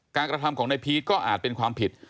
กระทำของนายพีชก็อาจเป็นความผิด